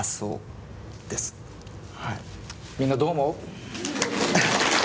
みんなどう思う？